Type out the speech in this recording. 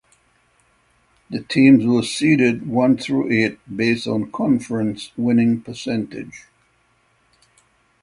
The teams were seeded one through eight based on conference winning percentage.